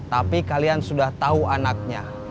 tapi kalian sudah tahu anaknya